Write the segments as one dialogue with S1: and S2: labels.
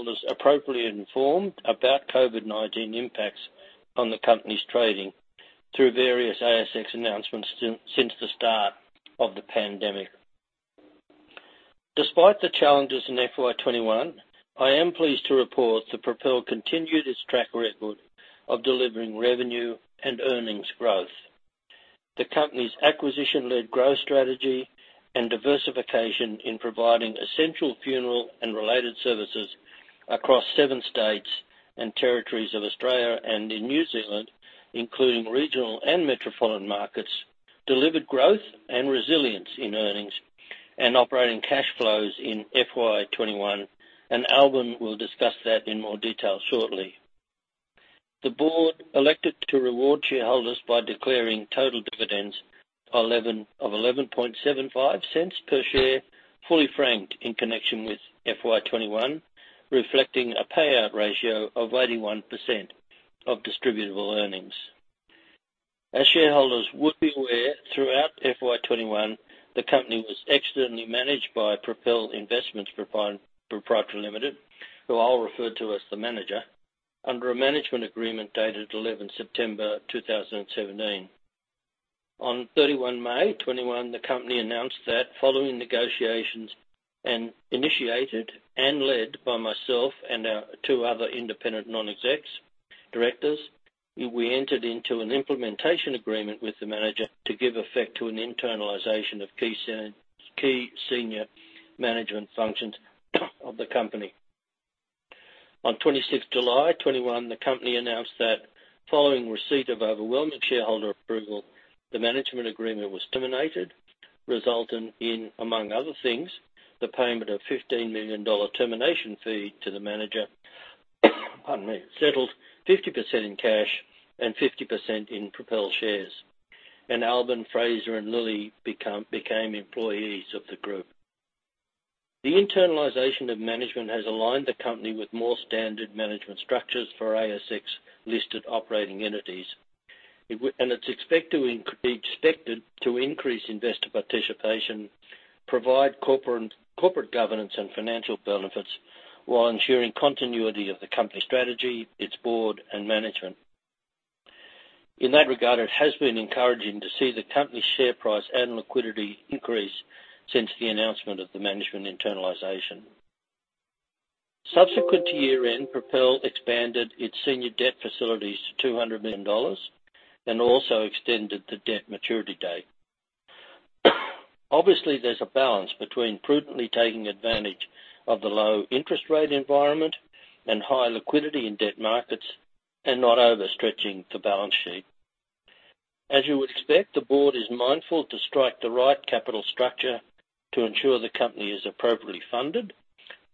S1: Shareholders have been appropriately informed about COVID-19 impacts on the company's trading through various ASX announcements since the start of the pandemic. Despite the challenges in FY 2021, I am pleased to report that Propel continued its track record of delivering revenue and earnings growth. The company's acquisition-led growth strategy and diversification in providing essential funeral and related services across seven states and territories of Australia and in New Zealand, including regional and metropolitan markets, delivered growth and resilience in earnings and operating cash flows in FY 2021. Albin will discuss that in more detail shortly. The board elected to reward shareholders by declaring total dividends of 0.1175 per share, fully franked in connection with FY 2021, reflecting a payout ratio of 81% of distributable earnings. As shareholders would be aware, throughout FY 2021, the company was externally managed by Propel Investments Pty Limited, who I'll refer to as the Manager, under a management agreement dated September 11, 2017. On May 31 2021, the company announced that following negotiations and initiated and led by myself and our two other independent non-exec directors, we entered into an implementation agreement with the Manager to give effect to an internalization of key senior management functions of the company. On July 26 2021, the company announced that following receipt of overwhelming shareholder approval, the management agreement was terminated, resulting in, among other things, the payment of 15 million dollar termination fee to the Manager, pardon me, settled 50% in cash and 50% in Propel shares. Albin, Fraser, and Lilli became employees of the group. The internalization of management has aligned the company with more standard management structures for ASX listed operating entities. It is expected to increase investor participation, provide corporate governance and financial benefits, while ensuring continuity of the company strategy, its board and management. In that regard, it has been encouraging to see the company's share price and liquidity increase since the announcement of the management internalization. Subsequent to year-end, Propel expanded its senior debt facilities to 200 million dollars and also extended the debt maturity date. Obviously, there's a balance between prudently taking advantage of the low interest rate environment and high liquidity in debt markets and not overstretching the balance sheet. As you would expect, the board is mindful to strike the right capital structure to ensure the company is appropriately funded,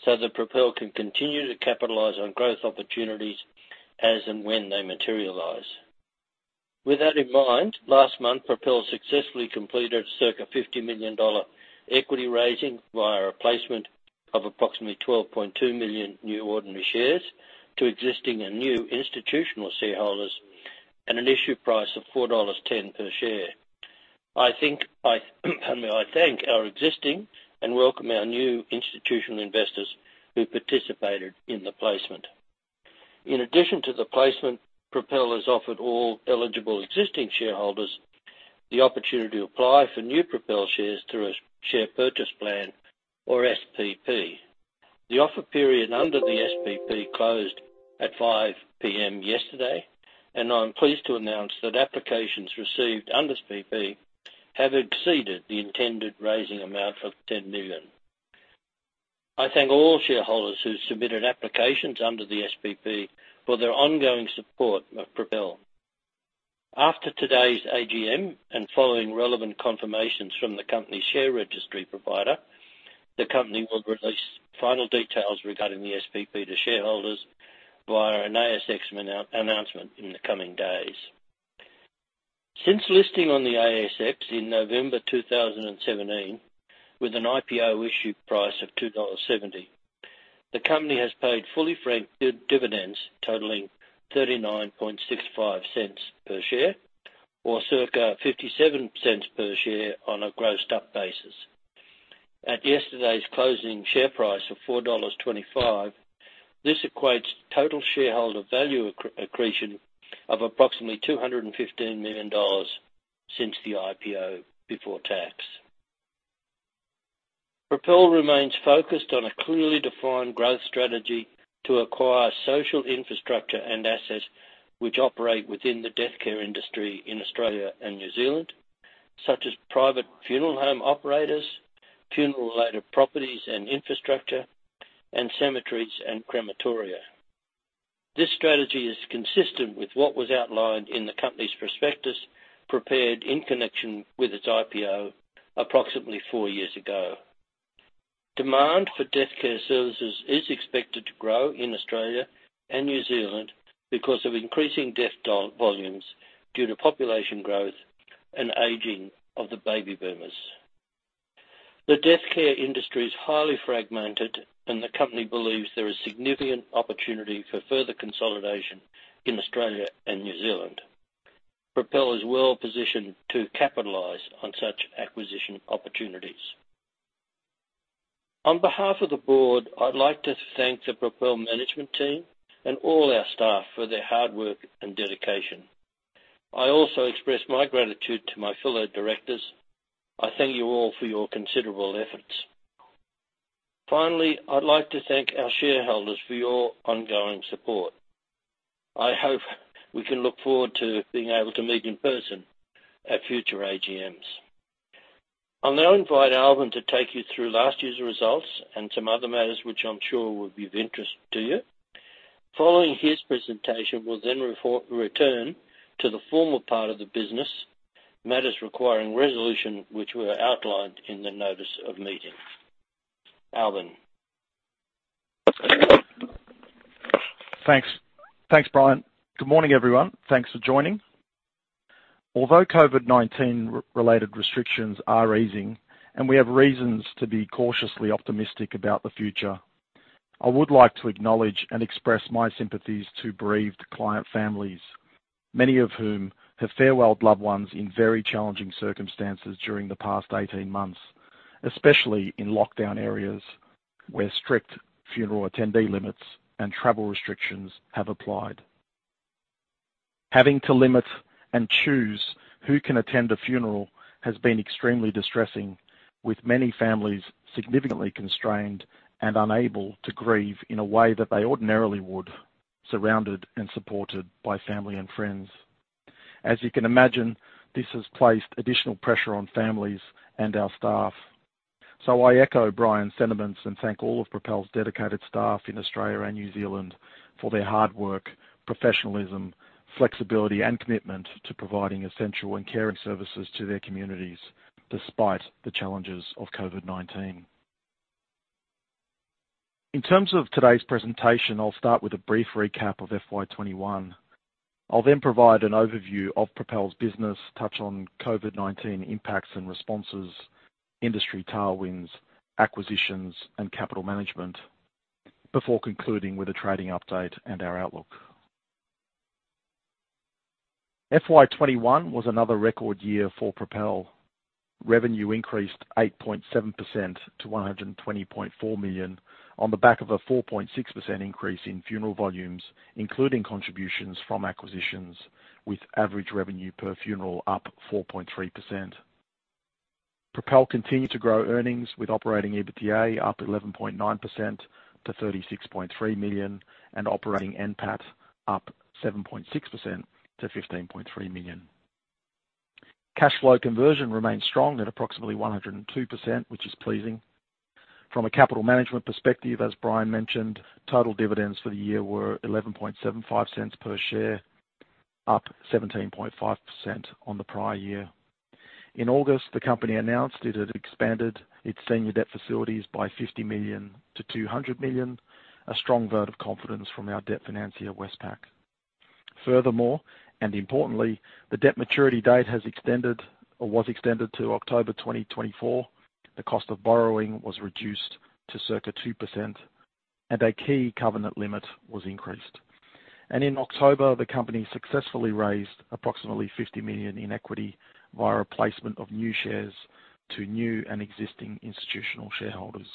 S1: so that Propel can continue to capitalize on growth opportunities as and when they materialize. With that in mind, last month, Propel successfully completed circa 50 million dollar equity raising via a placement of approximately 12.2 million new ordinary shares to existing and new institutional shareholders at an issue price of 4.10 dollars per share. I thank our existing and welcome our new institutional investors who participated in the placement. In addition to the placement, Propel has offered all eligible existing shareholders the opportunity to apply for new Propel shares through a share purchase plan or SPP. The offer period under the SPP closed at 5:00 P.M. yesterday, and I'm pleased to announce that applications received under the SPP have exceeded the intended raising amount of 10 million. I thank all shareholders who submitted applications under the SPP for their ongoing support of Propel. After today's AGM, and following relevant confirmations from the company share registry provider, the company will release final details regarding the SPP to shareholders via an ASX announcement in the coming days. Since listing on the ASX in November 2017, with an IPO issue price of 2.70 dollars, the company has paid fully franked dividends totaling 0.3965 per share or circa 0.57 per share on a grossed up basis. At yesterday's closing share price of 4.25 dollars, this equates total shareholder value accretion of approximately 215 million dollars since the IPO before tax. Propel remains focused on a clearly defined growth strategy to acquire social infrastructure and assets which operate within the death care industry in Australia and New Zealand, such as private funeral home operators, funeral related properties and infrastructure, and cemeteries and crematoria. This strategy is consistent with what was outlined in the company's prospectus prepared in connection with its IPO approximately four years ago. Demand for death care services is expected to grow in Australia and New Zealand because of increasing death volumes due to population growth and aging of the baby boomers. The death care industry is highly fragmented, and the company believes there is significant opportunity for further consolidation in Australia and New Zealand. Propel is well positioned to capitalize on such acquisition opportunities. On behalf of the board, I'd like to thank the Propel management team and all our staff for their hard work and dedication. I also express my gratitude to my fellow directors. I thank you all for your considerable efforts. Finally, I'd like to thank our shareholders for your ongoing support. I hope we can look forward to being able to meet in person at future AGMs. I'll now invite Albin to take you through last year's results and some other matters which I'm sure will be of interest to you. Following his presentation, we'll then return to the formal part of the business, matters requiring resolution, which were outlined in the notice of meeting. Albin.
S2: Thanks, Brian. Good morning, everyone. Thanks for joining. Although COVID-19-related restrictions are easing and we have reasons to be cautiously optimistic about the future, I would like to acknowledge and express my sympathies to bereaved client families, many of whom have farewelled loved ones in very challenging circumstances during the past 18 months, especially in lockdown areas where strict funeral attendee limits and travel restrictions have applied. Having to limit and choose who can attend a funeral has been extremely distressing, with many families significantly constrained and unable to grieve in a way that they ordinarily would, surrounded and supported by family and friends. As you can imagine, this has placed additional pressure on families and our staff. I echo Brian's sentiments and thank all of Propel's dedicated staff in Australia and New Zealand for their hard work, professionalism, flexibility, and commitment to providing essential and caring services to their communities despite the challenges of COVID-19. In terms of today's presentation, I'll start with a brief recap of FY 2021. I'll then provide an overview of Propel's business, touch on COVID-19 impacts and responses, industry tailwinds, acquisitions, and capital management before concluding with a trading update and our outlook. FY 2021 was another record year for Propel. Revenue increased 8.7% to 120.4 million on the back of a 4.6% increase in funeral volumes, including contributions from acquisitions, with average revenue per funeral up 4.3%. Propel continued to grow earnings with operating EBITDA up 11.9% to 36.3 million and operating NPAT up 7.6% to 15.3 million. Cash flow conversion remains strong at approximately 102%, which is pleasing. From a capital management perspective, as Brian mentioned, total dividends for the year were 0.1175 per share, up 17.5% on the prior year. In August, the company announced it had expanded its senior debt facilities by 50 million to 200 million, a strong vote of confidence from our debt financier, Westpac. Furthermore, and importantly, the debt maturity date has extended or was extended to October 2024. The cost of borrowing was reduced to circa 2%, and a key covenant limit was increased. In October, the company successfully raised approximately 50 million in equity via a placement of new shares to new and existing institutional shareholders.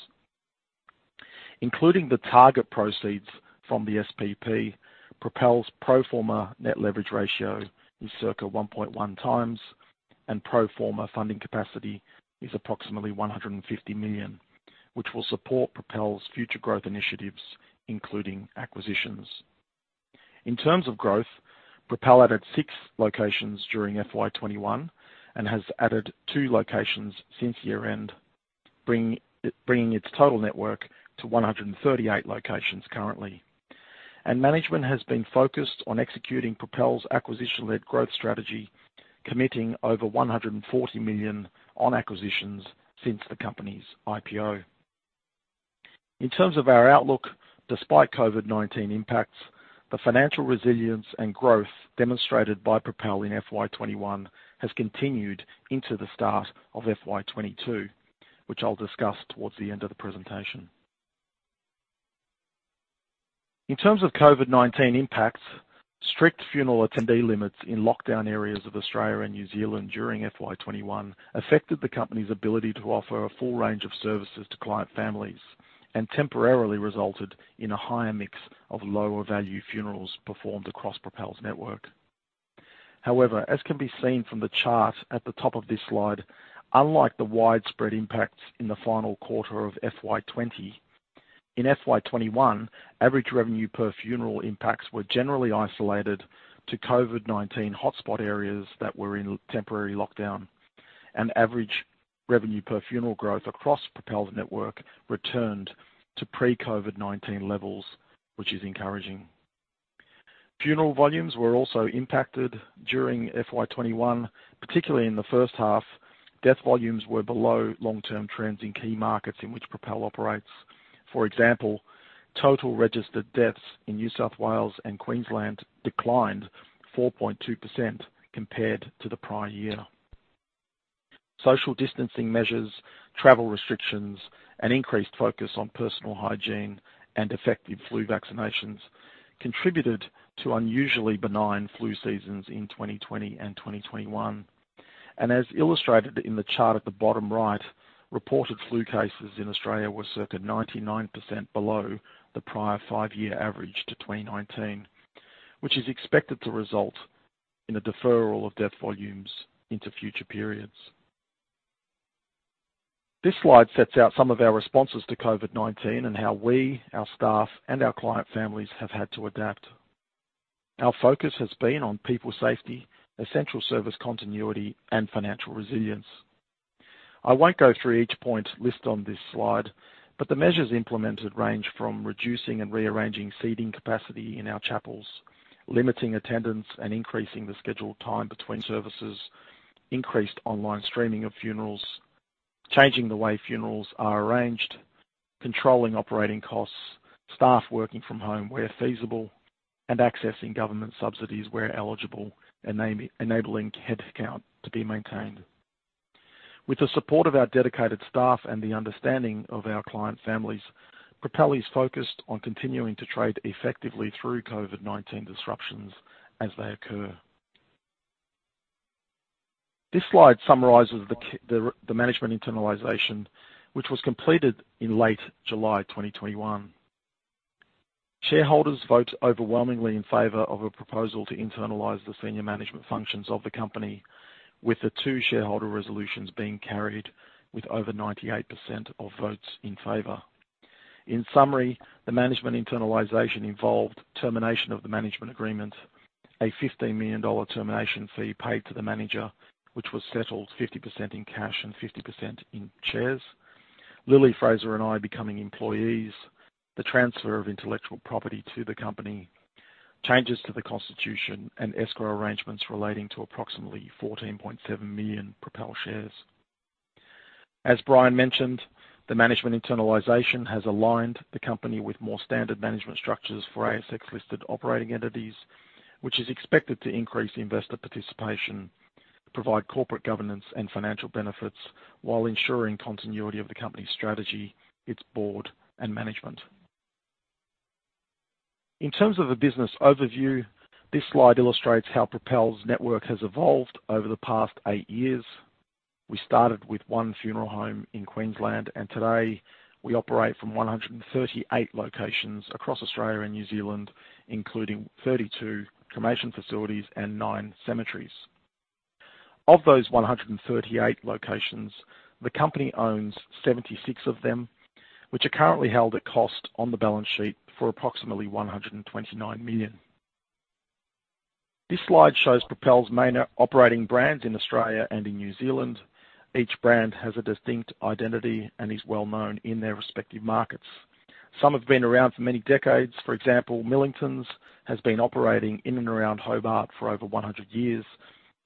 S2: Including the target proceeds from the SPP, Propel's pro forma net leverage ratio is circa 1.1x, and pro forma funding capacity is approximately 150 million, which will support Propel's future growth initiatives, including acquisitions. In terms of growth, Propel added 6 locations during FY 2021 and has added 2 locations since year-end, bringing its total network to 138 locations currently. Management has been focused on executing Propel's acquisition-led growth strategy, committing over 140 million on acquisitions since the company's IPO. In terms of our outlook, despite COVID-19 impacts, the financial resilience and growth demonstrated by Propel in FY 2021 has continued into the start of FY 2022, which I'll discuss towards the end of the presentation. In terms of COVID-19 impacts, strict funeral attendee limits in lockdown areas of Australia and New Zealand during FY 2021 affected the company's ability to offer a full range of services to client families and temporarily resulted in a higher mix of lower-value funerals performed across Propel's network. However, as can be seen from the chart at the top of this slide, unlike the widespread impacts in the final quarter of FY 2020, in FY 2021, average revenue per funeral impacts were generally isolated to COVID-19 hotspot areas that were in temporary lockdown, and average revenue per funeral growth across Propel's network returned to pre-COVID-19 levels, which is encouraging. Funeral volumes were also impacted during FY 2021, particularly in the first half. Death volumes were below long-term trends in key markets in which Propel operates. For example, total registered deaths in New South Wales and Queensland declined 4.2% compared to the prior year. Social distancing measures, travel restrictions, and increased focus on personal hygiene and effective flu vaccinations contributed to unusually benign flu seasons in 2020 and 2021. As illustrated in the chart at the bottom right, reported flu cases in Australia were circa 99% below the prior five-year average to 2019, which is expected to result in a deferral of death volumes into future periods. This slide sets out some of our responses to COVID-19 and how we, our staff, and our client families have had to adapt. Our focus has been on people safety, essential service continuity, and financial resilience. I won't go through each point listed on this slide, but the measures implemented range from reducing and rearranging seating capacity in our chapels, limiting attendance and increasing the scheduled time between services, increased online streaming of funerals, changing the way funerals are arranged, controlling operating costs, staff working from home where feasible, and accessing government subsidies where eligible, enabling head count to be maintained. With the support of our dedicated staff and the understanding of our client families, Propel is focused on continuing to trade effectively through COVID-19 disruptions as they occur. This slide summarizes the management internalization, which was completed in late July 2021. Shareholders vote overwhelmingly in favor of a proposal to internalize the senior management functions of the company, with the two shareholder resolutions being carried with over 98% of votes in favor. In summary, the management internalization involved termination of the management agreement, a 15 million dollar termination fee paid to the manager, which was settled 50% in cash and 50% in shares, Lily, Fraser and I becoming employees, the transfer of intellectual property to the company, changes to the constitution and escrow arrangements relating to approximately 14.7 million Propel shares. As Brian mentioned, the management internalization has aligned the company with more standard management structures for ASX listed operating entities, which is expected to increase investor participation, provide corporate governance and financial benefits while ensuring continuity of the company's strategy, its board and management. In terms of the business overview, this slide illustrates how Propel's network has evolved over the past eight years. We started with one funeral home in Queensland, and today we operate from 138 locations across Australia and New Zealand, including 32 cremation facilities and nine cemeteries. Of those 138 locations, the company owns 76 of them, which are currently held at cost on the balance sheet for approximately 129 million. This slide shows Propel's main operating brands in Australia and in New Zealand. Each brand has a distinct identity and is well-known in their respective markets. Some have been around for many decades. For example, Millingtons has been operating in and around Hobart for over 100 years,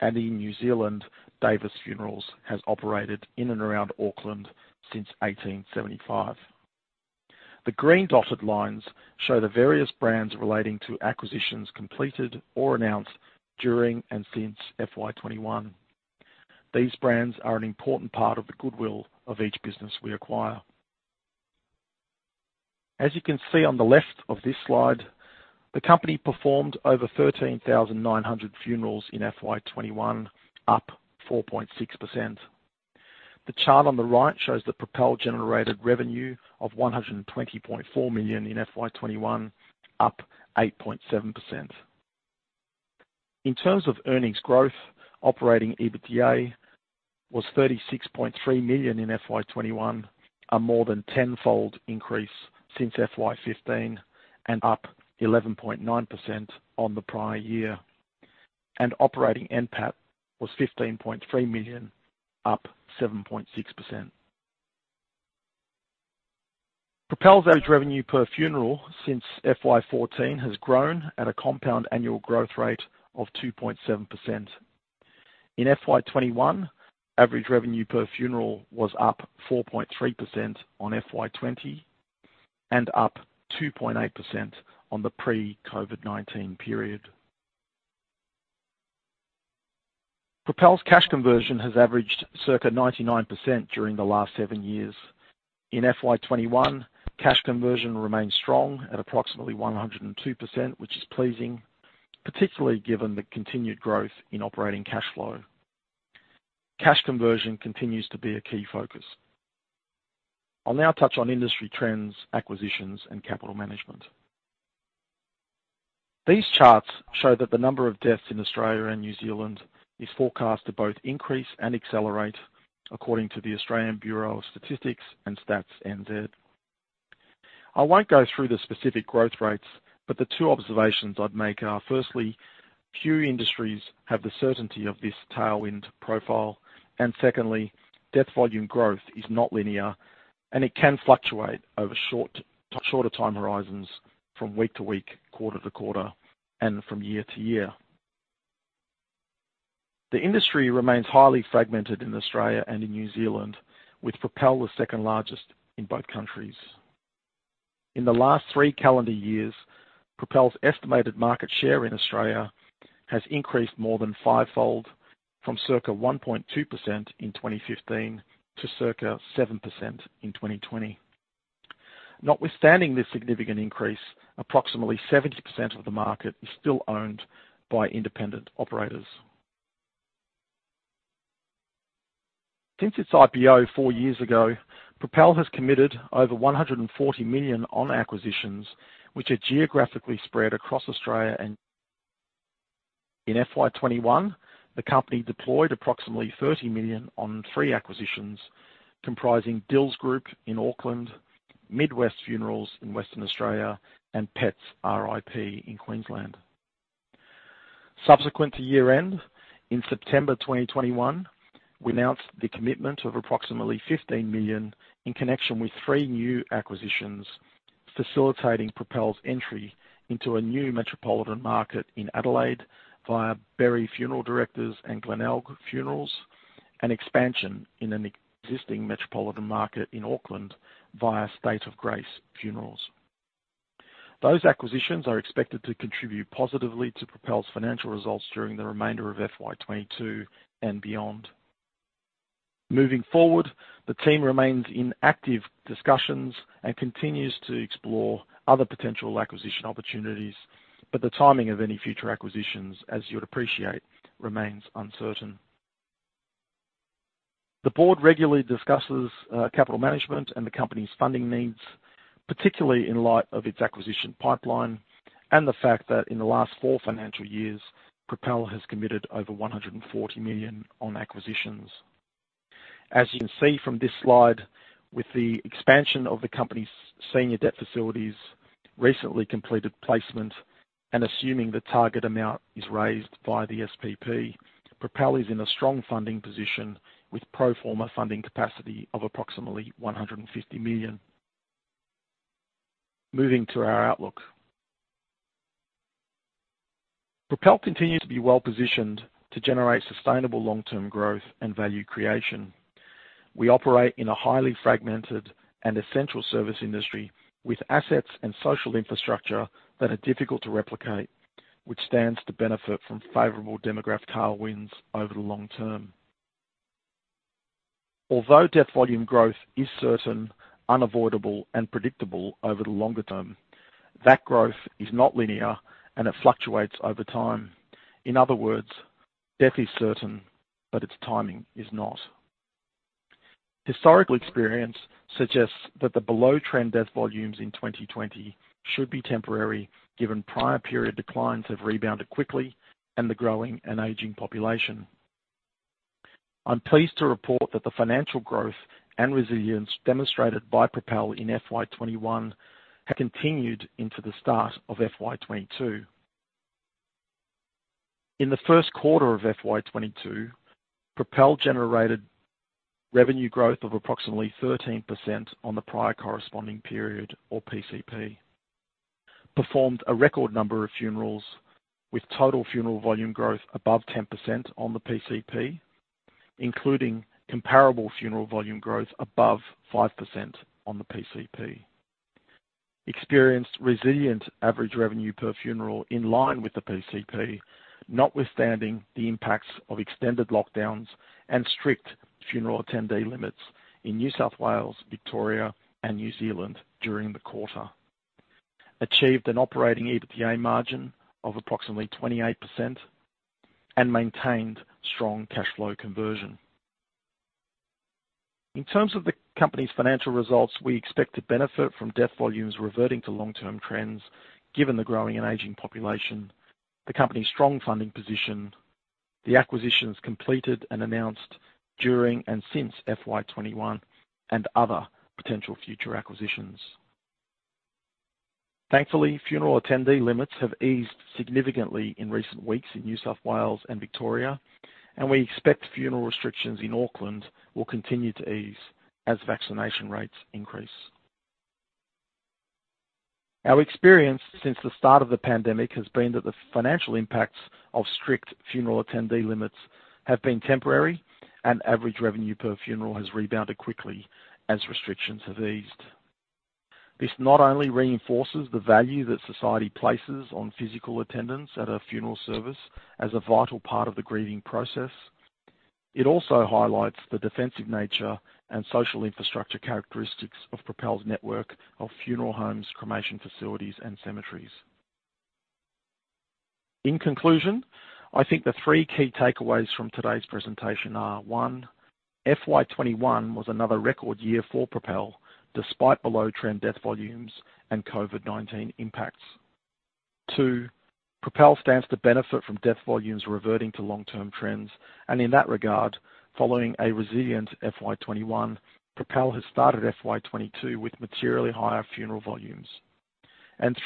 S2: and in New Zealand, Davis Funerals has operated in and around Auckland since 1875. The green dotted lines show the various brands relating to acquisitions completed or announced during and since FY 2021. These brands are an important part of the goodwill of each business we acquire. As you can see on the left of this slide, the company performed over 13,900 funerals in FY 2021, up 4.6%. The chart on the right shows that Propel generated revenue of 120.4 million in FY 2021, up 8.7%. In terms of earnings growth, operating EBITDA was 36.3 million in FY 2021, a more than tenfold increase since FY 2015 and up 11.9% on the prior year, and operating NPAT was 15.3 million, up 7.6%. Propel's average revenue per funeral since FY 2014 has grown at a compound annual growth rate of 2.7%. In FY 2021, average revenue per funeral was up 4.3% on FY 2020 and up 2.8% on the pre-COVID-19 period. Propel's cash conversion has averaged circa 99% during the last seven years. In FY 2021, cash conversion remains strong at approximately 102%, which is pleasing, particularly given the continued growth in operating cash flow. Cash conversion continues to be a key focus. I'll now touch on industry trends, acquisitions, and capital management. These charts show that the number of deaths in Australia and New Zealand is forecast to both increase and accelerate according to the Australian Bureau of Statistics and Stats NZ. I won't go through the specific growth rates, but the two observations I'd make are, firstly, few industries have the certainty of this tailwind profile, and secondly, death volume growth is not linear, and it can fluctuate over short time horizons from week-to-week, quarter-to-quarter, and from year-to-year. The industry remains highly fragmented in Australia and in New Zealand, with Propel the second-largest in both countries. In the last three calendar years, Propel's estimated market share in Australia has increased more than five-fold from circa 1.2% in 2015 to circa 7% in 2020. Notwithstanding this significant increase, approximately 70% of the market is still owned by independent operators. Since its IPO four years ago, Propel has committed over 140 million on acquisitions which are geographically spread across Australia. In FY 2021, the company deployed approximately 30 million on three acquisitions comprising Dils Group in Auckland, Mid West Funerals in Western Australia, and Pets R.I.P. in Queensland. Subsequent to year-end, in September 2021, we announced the commitment of approximately 15 million in connection with three new acquisitions, facilitating Propel's entry into a new metropolitan market in Adelaide via Berry Funeral Directors and Glenelg Funerals, an expansion in an existing metropolitan market in Auckland via State of Grace Funerals. Those acquisitions are expected to contribute positively to Propel's financial results during the remainder of FY 2022 and beyond. Moving forward, the team remains in active discussions and continues to explore other potential acquisition opportunities, but the timing of any future acquisitions, as you would appreciate, remains uncertain. The board regularly discusses capital management and the company's funding needs, particularly in light of its acquisition pipeline and the fact that in the last four financial years, Propel has committed over 140 million on acquisitions. As you can see from this slide, with the expansion of the company's senior debt facilities, recently completed placement, and assuming the target amount is raised by the SPP, Propel is in a strong funding position with pro forma funding capacity of approximately 150 million. Moving to our outlook. Propel continues to be well-positioned to generate sustainable long-term growth and value creation. We operate in a highly fragmented and essential service industry with assets and social infrastructure that are difficult to replicate, which stands to benefit from favorable demographic tailwinds over the long term. Although death volume growth is certain, unavoidable, and predictable over the longer term, that growth is not linear, and it fluctuates over time. In other words, death is certain, but its timing is not. Historical experience suggests that the below-trend death volumes in 2020 should be temporary, given prior period declines have rebounded quickly and the growing and aging population. I'm pleased to report that the financial growth and resilience demonstrated by Propel in FY 2021 have continued into the start of FY 2022. In the Q1 of FY 2022, Propel generated revenue growth of approximately 13% on the prior corresponding period, or PCP. Performed a record number of funerals with total funeral volume growth above 10% on the PCP, including comparable funeral volume growth above 5% on the PCP. Experienced resilient average revenue per funeral in line with the PCP, notwithstanding the impacts of extended lockdowns and strict funeral attendee limits in New South Wales, Victoria, and New Zealand during the quarter. Achieved an operating EBITDA margin of approximately 28% and maintained strong cash flow conversion. In terms of the company's financial results, we expect to benefit from death volumes reverting to long-term trends, given the growing and aging population, the company's strong funding position, the acquisitions completed and announced during and since FY 2021, and other potential future acquisitions. Thankfully, funeral attendee limits have eased significantly in recent weeks in New South Wales and Victoria, and we expect funeral restrictions in Auckland will continue to ease as vaccination rates increase. Our experience since the start of the pandemic has been that the financial impacts of strict funeral attendee limits have been temporary, and average revenue per funeral has rebounded quickly as restrictions have eased. This not only reinforces the value that society places on physical attendance at a funeral service as a vital part of the grieving process, it also highlights the defensive nature and social infrastructure characteristics of Propel's network of funeral homes, cremation facilities, and cemeteries. In conclusion, I think the three key takeaways from today's presentation are, one, FY 2021 was another record year for Propel despite below-trend death volumes and COVID-19 impacts. Two, Propel stands to benefit from death volumes reverting to long-term trends. In that regard, following a resilient FY 2021, Propel has started FY 2022 with materially higher funeral volumes.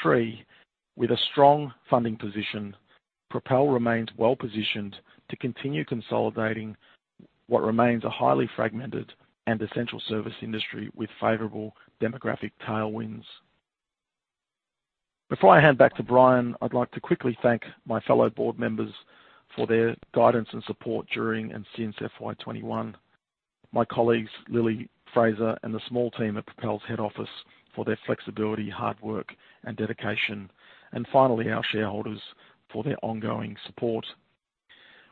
S2: Three, with a strong funding position, Propel remains well-positioned to continue consolidating what remains a highly fragmented and essential service industry with favorable demographic tailwinds. Before I hand back to Brian, I'd like to quickly thank my fellow board members for their guidance and support during and since FY 2021. My colleagues Lily, Fraser, and the small team at Propel's head office for their flexibility, hard work, and dedication. And finally, our shareholders for their ongoing support.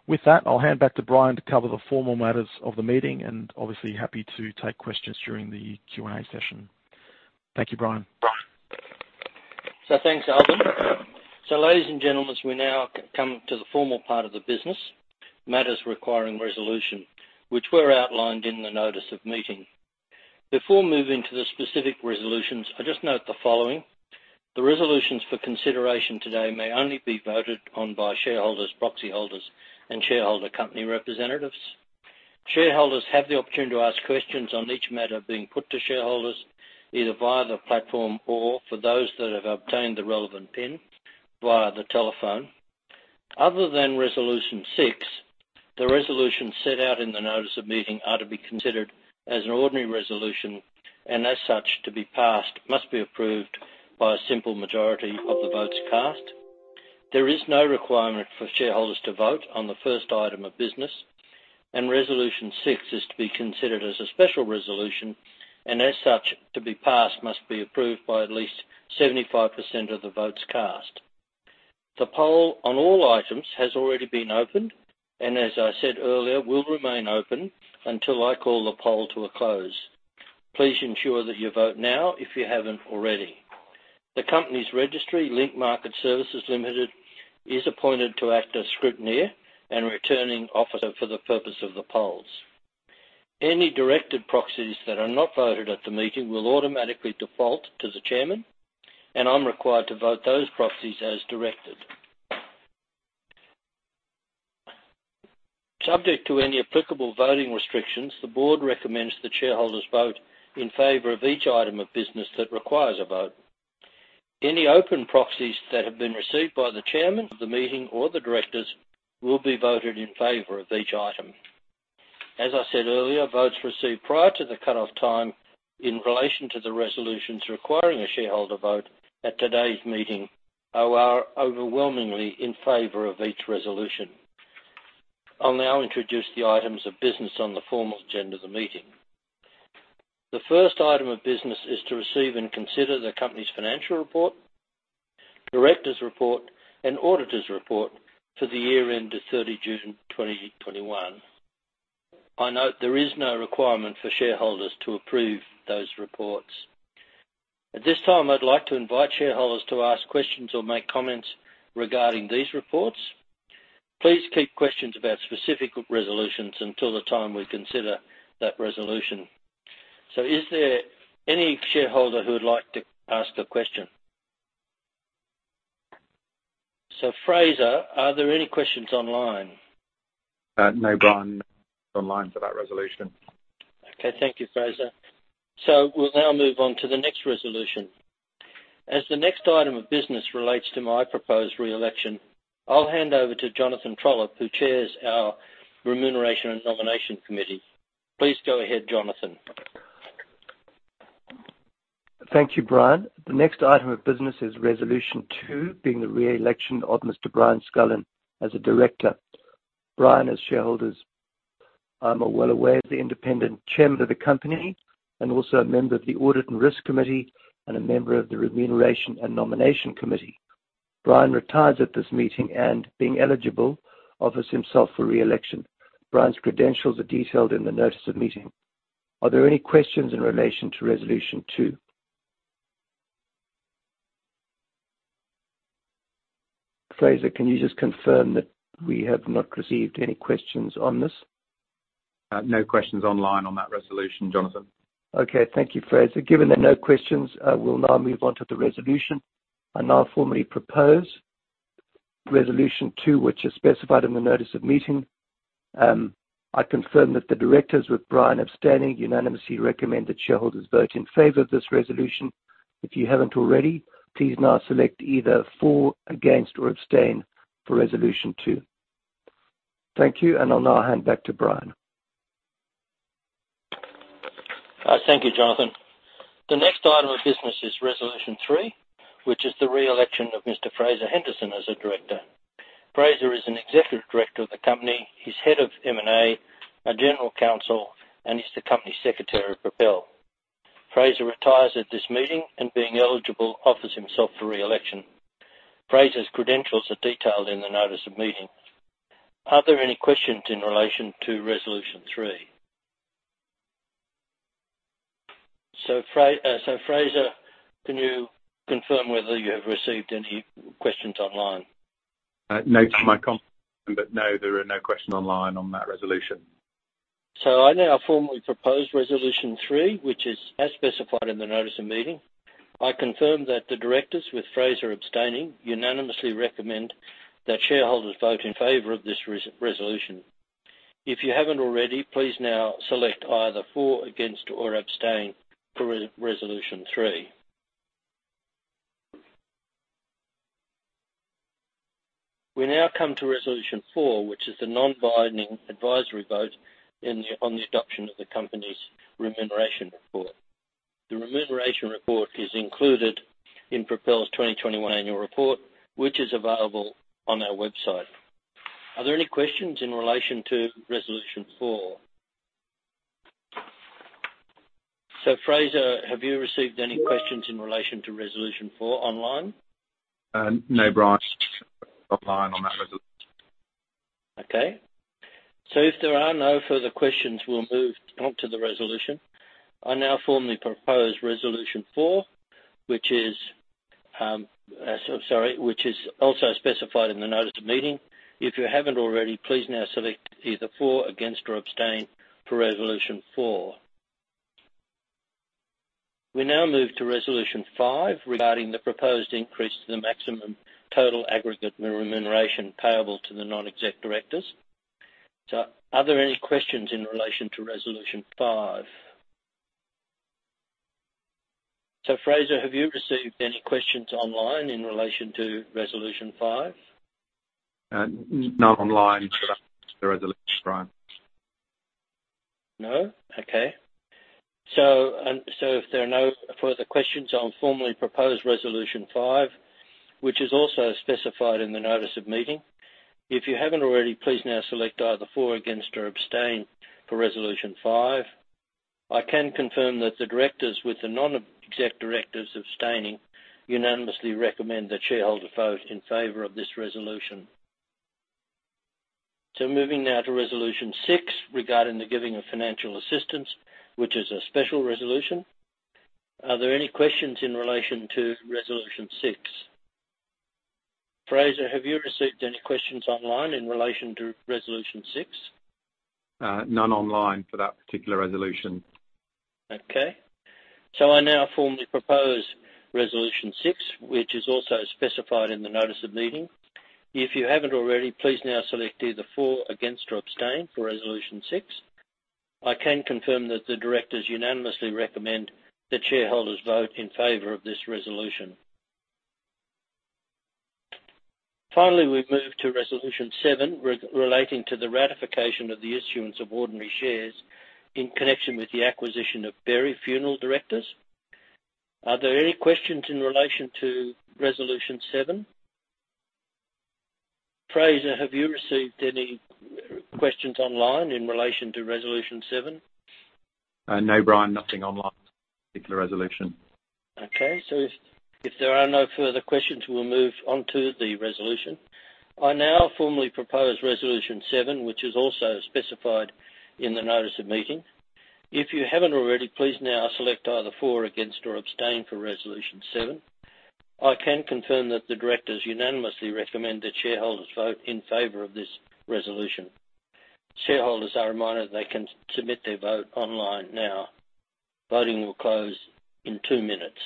S2: With that, I'll hand back to Brian to cover the formal matters of the meeting, and obviously happy to take questions during the Q&A session. Thank you, Brian.
S1: Thanks, Albin. Ladies and gentlemen, we now come to the formal part of the business, matters requiring resolution, which were outlined in the notice of meeting. Before moving to the specific resolutions, I just note the following. The resolutions for consideration today may only be voted on by shareholders, proxy holders, and shareholder company representatives. Shareholders have the opportunity to ask questions on each matter being put to shareholders, either via the platform or for those that have obtained the relevant pin via the telephone. Other than resolution six, the resolutions set out in the notice of meeting are to be considered as an ordinary resolution, and as such, to be passed, must be approved by a simple majority of the votes cast. There is no requirement for shareholders to vote on the first item of business. Resolution six is to be considered as a special resolution, and as such, to be passed, must be approved by at least 75% of the votes cast. The poll on all items has already been opened, and as I said earlier, will remain open until I call the poll to a close. Please ensure that you vote now, if you haven't already. The company's registry, Link Market Services Limited, is appointed to act as scrutineer and returning officer for the purpose of the polls. Any directed proxies that are not voted at the meeting will automatically default to the chairman, and I'm required to vote those proxies as directed. Subject to any applicable voting restrictions, the board recommends the shareholders vote in favor of each item of business that requires a vote. Any open proxies that have been received by the chairman of the meeting or the directors will be voted in favor of each item. As I said earlier, votes received prior to the cutoff time in relation to the resolutions requiring a shareholder vote at today's meeting are overwhelmingly in favor of each resolution. I'll now introduce the items of business on the formal agenda of the meeting. The first item of business is to receive and consider the company's financial report, directors' report, and auditor's report for the year ending June 30, 2021. I note there is no requirement for shareholders to approve those reports. At this time, I'd like to invite shareholders to ask questions or make comments regarding these reports. Please keep questions about specific resolutions until the time we consider that resolution. Is there any shareholder who would like to ask a question? Fraser, are there any questions online?
S3: No, Brian, online for that resolution.
S1: Okay. Thank you, Fraser. We'll now move on to the next resolution. As the next item of business relates to my proposed re-election, I'll hand over to Jonathan Trollip, who chairs our Remuneration and Nomination Committee. Please go ahead, Jonathan.
S4: Thank you, Brian. The next item of business is resolution two, being the re-election of Mr. Brian Scullin as a director. Brian is, as shareholders are well aware, the Independent Chairman of the company and also a member of the Audit and Risk Committee and a member of the Remuneration and Nomination Committee. Brian retires at this meeting and, being eligible, offers himself for re-election. Brian's credentials are detailed in the Notice of Meeting. Are there any questions in relation to resolution two? Fraser, can you just confirm that we have not received any questions on this?
S3: No questions online on that resolution, Jonathan.
S4: Okay. Thank you, Fraser. Given there are no questions, I will now move on to the resolution. I now formally propose resolution two, which is specified in the notice of meeting. I confirm that the directors, with Brian abstaining, unanimously recommend that shareholders vote in favor of this resolution. If you haven't already, please now select either for, against, or abstain for resolution two. Thank you. I'll now hand back to Brian.
S1: Thank you, Jonathan. The next item of business is resolution three, which is the re-election of Mr. Fraser Henderson as a director. Fraser is an Executive Director of the company. He's Head of M&A, General Counsel, and he's the Company Secretary of Propel. Fraser retires at this meeting and being eligible, offers himself for re-election. Fraser's credentials are detailed in the Notice of Meeting. Are there any questions in relation to resolution three? Fraser, can you confirm whether you have received any questions online?
S3: No, from my conference, but no, there are no questions online on that resolution.
S1: I now formally propose resolution three, which is as specified in the notice of meeting. I confirm that the directors, with Fraser abstaining, unanimously recommend that shareholders vote in favor of this resolution. If you haven't already, please now select either for, against, or abstain for resolution three. We now come to resolution four which is the non-binding advisory vote in the, on the adoption of the company's remuneration report. The remuneration report is included in Propel's 2021 annual report, which is available on our website. Are there any questions in relation to resolution four? Fraser, have you received any questions in relation to resolution four online?
S3: No, Brian, online on that resolution.
S1: Okay. If there are no further questions, we'll move on to the resolution. I now formally propose resolution four, which is also specified in the notice of meeting. If you haven't already, please now select either for, against, or abstain for resolution four. We now move to Resolution 5 regarding the proposed increase to the maximum total aggregate remuneration payable to the non-exec directors. Are there any questions in relation to resolution five? Fraser, have you received any questions online in relation to resolution five?
S3: Not online for that resolution, Brian.
S1: No? Okay. If there are no further questions, I'll formally propose resolution five, which is also specified in the notice of meeting. If you haven't already, please now select either for, against, or abstain for resolution five. I can confirm that the directors, with the non-exec directors abstaining, unanimously recommend that shareholders vote in favor of this resolution. Moving now to Resolution six regarding the giving of financial assistance, which is a special resolution. Are there any questions in relation to resolution six? Fraser, have you received any questions online in relation to resolution six?
S3: None online for that particular resolution.
S1: Okay. I now formally propose resolution six, which is also specified in the notice of meeting. If you haven't already, please now select either for, against, or abstain for resolution six. I can confirm that the directors unanimously recommend that shareholders vote in favor of this resolution. Finally, we move to resolution seven relating to the ratification of the issuance of ordinary shares in connection with the acquisition of Berry Funeral Directors. Are there any questions in relation to resolution seven? Fraser, have you received any questions online in relation to resolution seven?
S3: No, Brian, nothing online for this particular resolution.
S1: Okay. If there are no further questions, we'll move on to the resolution. I now formally propose resolution seven, which is also specified in the notice of meeting. If you haven't already, please now select either for, against, or abstain for resolution seven. I can confirm that the directors unanimously recommend that shareholders vote in favor of this resolution. Shareholders are reminded that they can submit their vote online now. Voting will close in two minutes.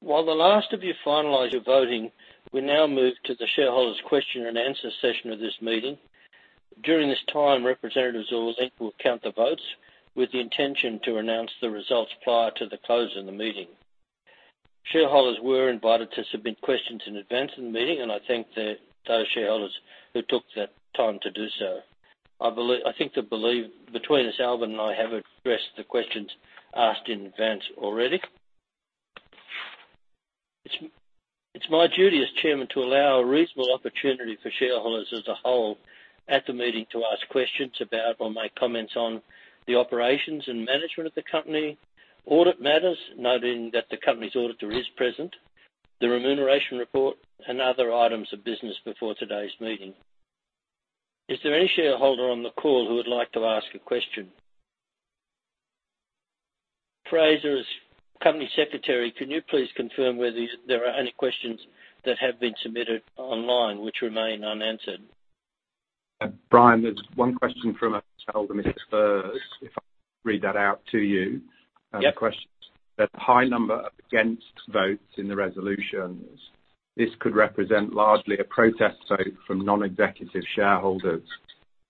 S1: While the last of you finalize your voting, we now move to the shareholders Q&A session of this meeting. During this time, representatives of Link will count the votes with the intention to announce the results prior to the close of the meeting. Shareholders were invited to submit questions in advance of the meeting, and I thank those shareholders who took the time to do so. I think, I believe between us, Albin and I have addressed the questions asked in advance already. It's my duty as Chairman to allow a reasonable opportunity for shareholders as a whole at the meeting to ask questions about or make comments on the operations and management of the company, audit matters, noting that the company's auditor is present, the remuneration report, and other items of business before today's meeting. Is there any shareholder on the call who would like to ask a question? Fraser, as Company Secretary, can you please confirm whether there are any questions that have been submitted online which remain unanswered?
S3: Brian, there's one question from a shareholder, Mr. Burke, if I can read that out to you.
S1: Yep.
S3: The question is that the high number of against votes in the resolutions, this could represent largely a protest vote from non-executive shareholders.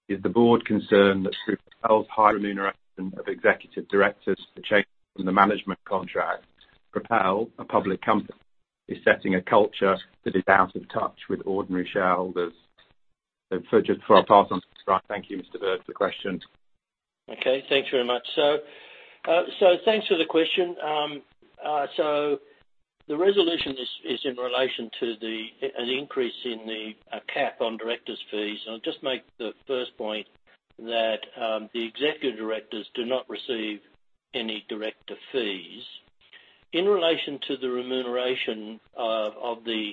S3: Is the board concerned that through Propel's high remuneration of executive directors, the change from the management contract, Propel, a public company, is setting a culture that is out of touch with ordinary shareholders? Just for our part, thank you, Mr. Burke, for the question.
S1: Okay, thanks very much. Thanks for the question. The resolution is in relation to an increase in the cap on directors' fees. I'll just make the first point that the executive directors do not receive any director fees. In relation to the remuneration of the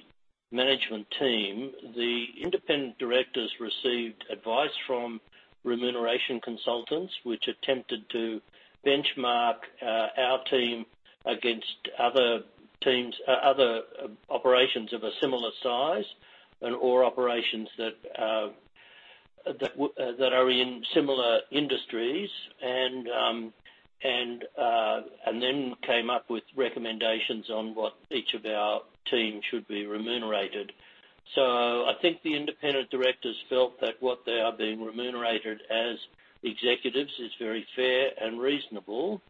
S1: management team, the independent directors received advice from remuneration consultants, which attempted to benchmark our team against other teams, other operations of a similar size and/or operations that are in similar industries and then came up with recommendations on what each of our team should be remunerated. I think the independent directors felt that what they are being remunerated as executives is very fair and reasonable.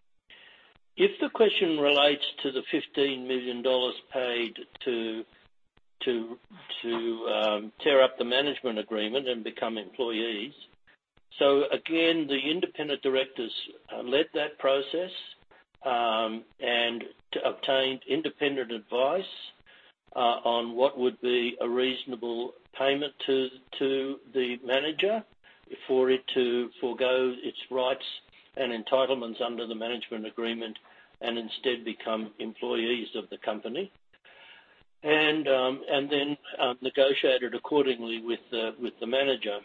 S1: If the question relates to the 15 million dollars paid to tear up the management agreement and become employees. Again, the independent directors led that process and obtained independent advice on what would be a reasonable payment to the manager for it to forgo its rights and entitlements under the management agreement and instead become employees of the company and then negotiated accordingly with the manager.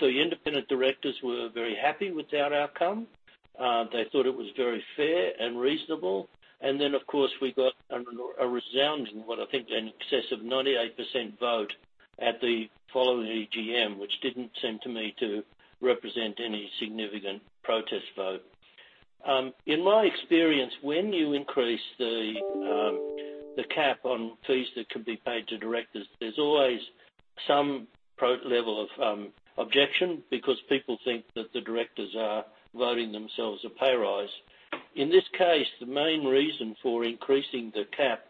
S1: The independent directors were very happy with that outcome. They thought it was very fair and reasonable. Of course, we got a resounding win with what I think an excess of 98% vote at the following EGM, which didn't seem to me to represent any significant protest vote. In my experience, when you increase the cap on fees that can be paid to directors, there's always some level of objection because people think that the directors are voting themselves a pay raise. In this case, the main reason for increasing the cap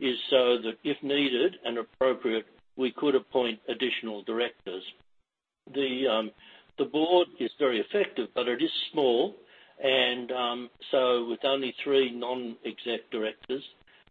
S1: is so that if needed and appropriate, we could appoint additional directors. The board is very effective, but it is small. With only three non-exec directors.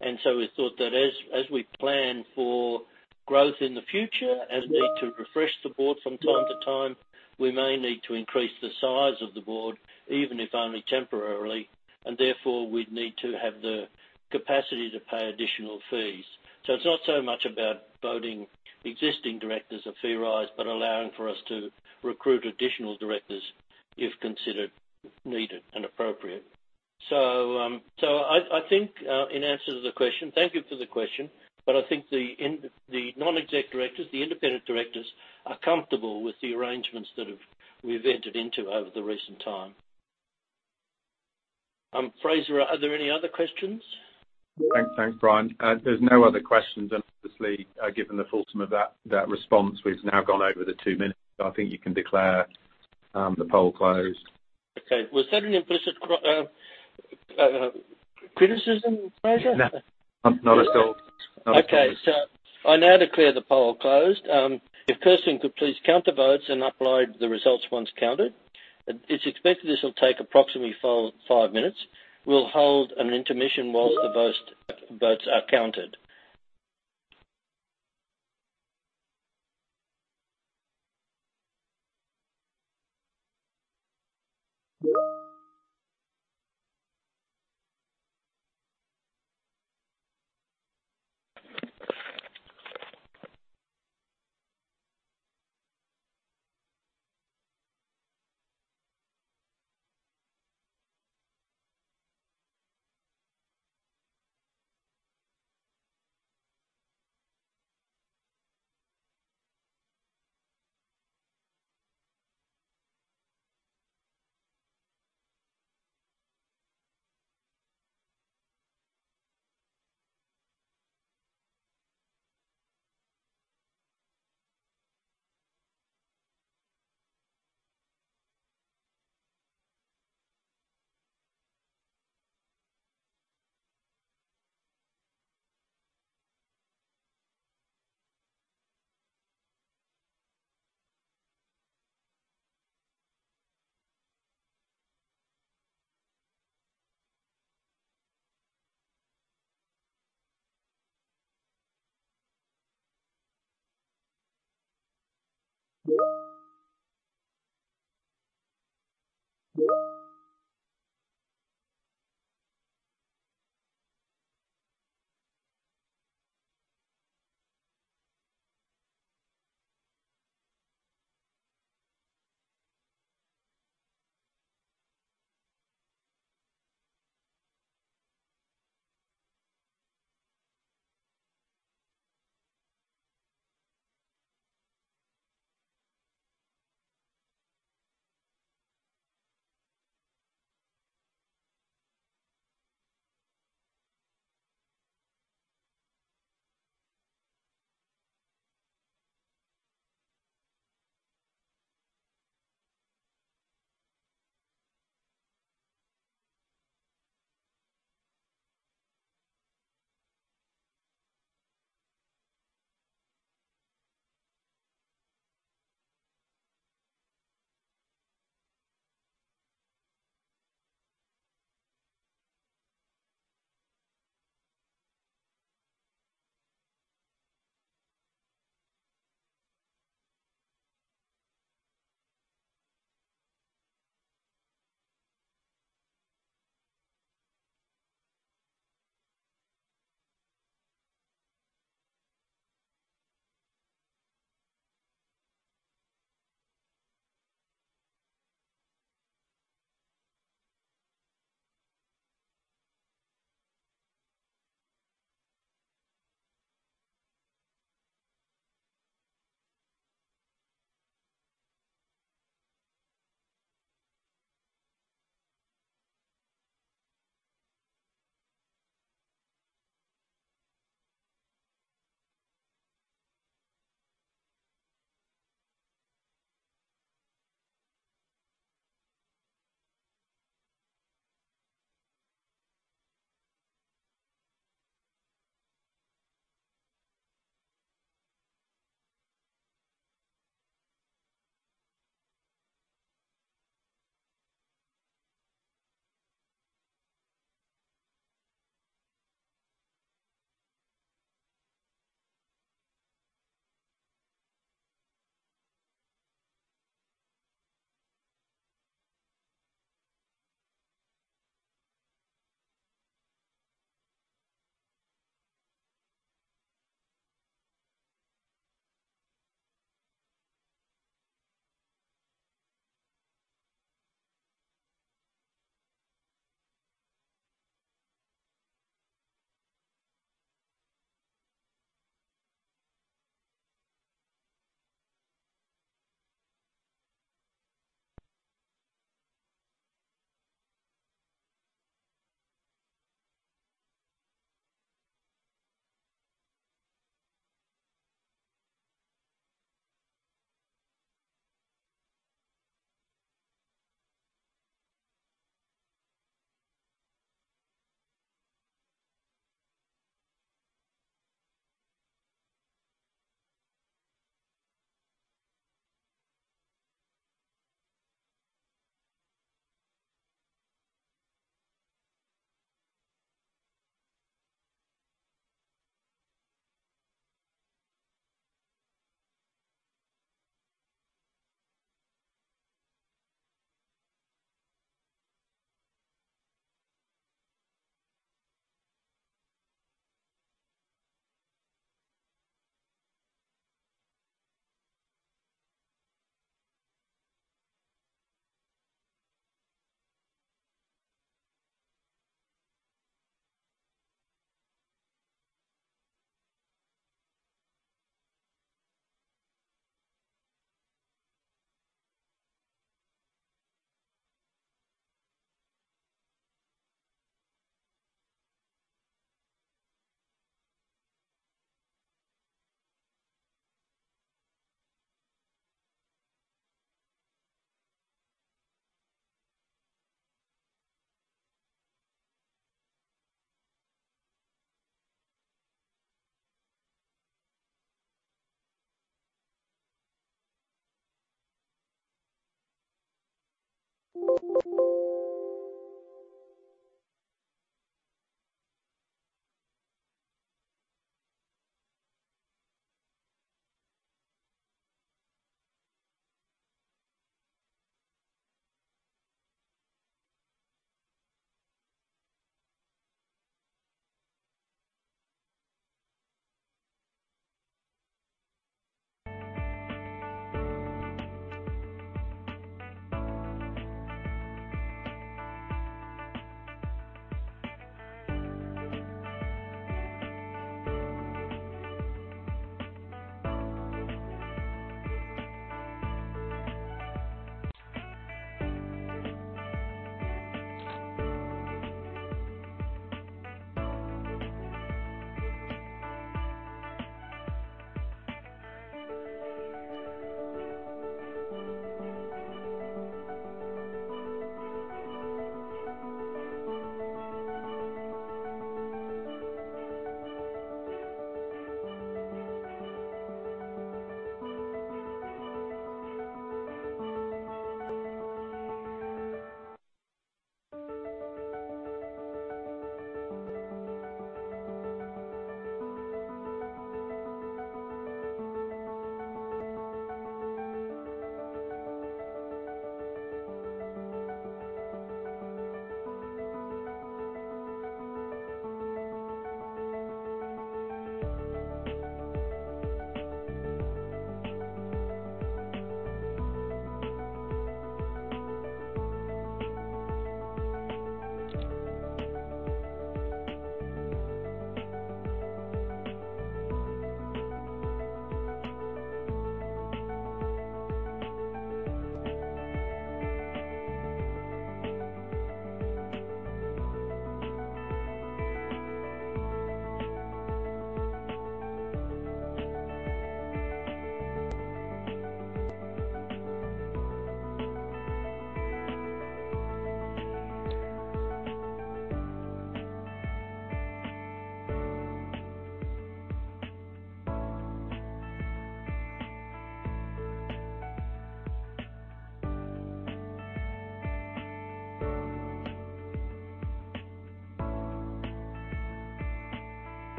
S1: We thought that as we plan for growth in the future and need to refresh the board from time-to-time, we may need to increase the size of the board, even if only temporarily, and therefore we'd need to have the capacity to pay additional fees. It's not so much about voting existing directors a fee rise, but allowing for us to recruit additional directors if considered needed and appropriate. I think in answer to the question, thank you for the question, but I think the non-exec directors, the independent directors are comfortable with the arrangements that we've entered into in recent times. Fraser, are there any other questions?
S3: Thanks, Brian. There's no other questions. Obviously, given the fulsome of that response, we've now gone over the two minutes. I think you can declare the poll closed.
S1: Okay. Was that an implicit criticism, Fraser?
S3: No. Not at all.
S1: Okay. I now declare the poll closed. If [Kirsten] could please count the votes and upload the results once counted. It's expected this will take approximately four-five minutes. We'll hold an intermission while the votes are counted.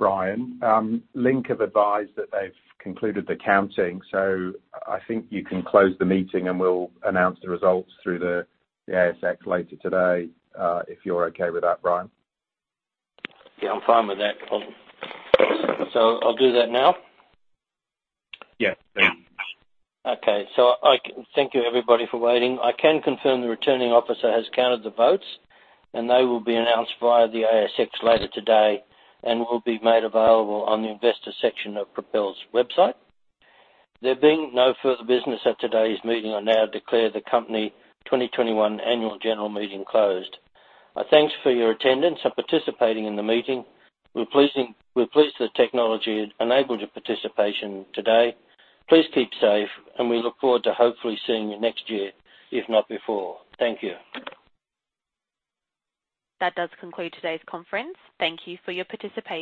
S3: Brian, Link have advised that they've concluded the counting, so I think you can close the meeting, and we'll announce the results through the ASX later today, if you're okay with that, Brian.
S1: Yeah, I'm fine with that. I'll do that now.
S3: Yeah, please.
S1: Okay. Thank you, everybody, for waiting. I can confirm the Returning Officer has counted the votes, and they will be announced via the ASX later today and will be made available on the investor section of Propel's website. There being no further business at today's meeting, I now declare the company 2021 Annual General Meeting closed. Our thanks for your attendance and participating in the meeting. We're pleased the technology enabled your participation today. Please keep safe, and we look forward to hopefully seeing you next year, if not before. Thank you. That does conclude today's conference. Thank you for your participation.